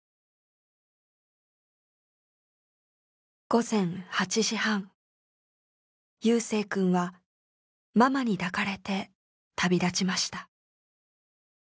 午前８時半夕青くんはママに抱かれて旅立ちました。